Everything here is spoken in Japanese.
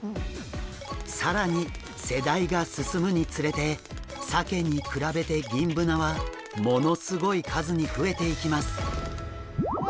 更に世代が進むにつれてサケに比べてギンブナはものすごい数に増えていきます。